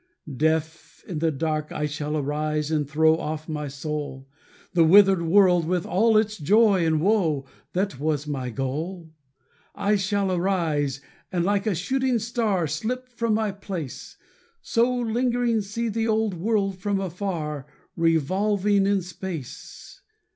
Deaf, in the dark, I shall arise and throw From off my soul, The withered world with all its joy and woe, That was my goal. I shall arise, and like a shooting star Slip from my place; So lingering see the old world from afar Revolve in space.